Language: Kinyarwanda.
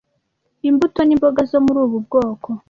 Imbuto n’imboga zo muri ubu bwoko